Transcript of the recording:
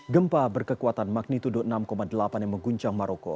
gempa berkekuatan magnitudo enam delapan yang mengguncang maroko